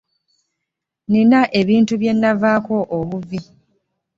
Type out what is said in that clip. nnina ebintu bye nnavuddeko obuvi.